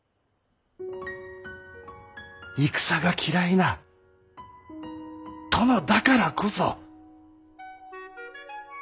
戦が嫌いな殿だからこそ。